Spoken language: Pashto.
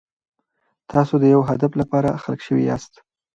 تاسو د یو هدف لپاره خلق شوي یاست.